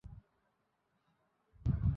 আপনার চা-ই মনে হচ্ছে ঠাণ্ডা হয়ে গেছে।